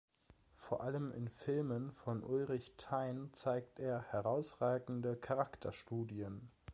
Vor allem in Filmen von Ulrich Thein zeigt er herausragende Charakterstudien.